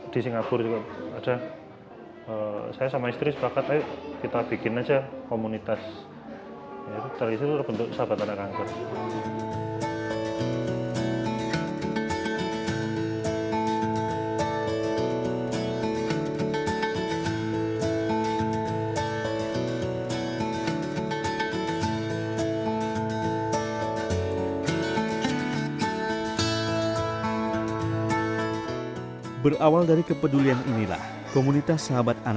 di singapura juga ada saya sama istri sepakat ayo kita bikin aja komunitas terisi lu bentuk sahabatan